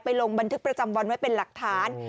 ลงบันทึกประจำวันไว้เป็นหลักฐาน